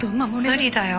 無理だよ